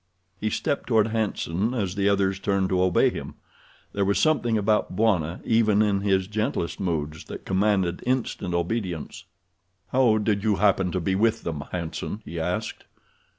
He stepped toward Hanson as the others turned to obey him. There was something about Bwana even in his gentlest moods that commanded instant obedience. "How did you happen to be with them, Hanson?" he asked.